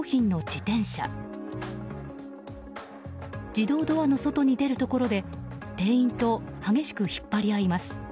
自動ドアの外に出るところで店員と激しく引っ張り合います。